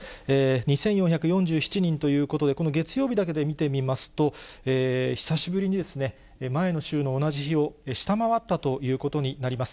２４４７人ということで、この月曜日だけで見てみますと、久しぶりに前の週の同じ日を、下回ったということになります。